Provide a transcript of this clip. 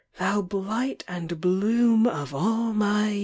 Thou blight and bloom of all my years